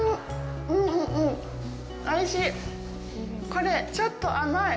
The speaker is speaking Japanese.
これちょっと甘い。